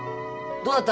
どうだった？